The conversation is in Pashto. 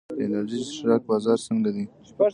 د انرژي څښاک بازار څنګه دی؟